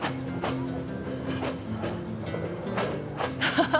ハハハ！